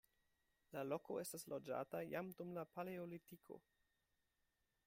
La loko estis loĝata jam dum la paleolitiko.